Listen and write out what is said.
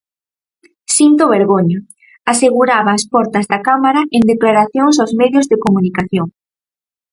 "Sinto vergoña", aseguraba ás portas da Cámara en declaracións aos medios de comunicación.